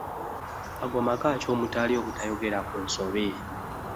Ago maka ki omuli obutayogera ku nsobi?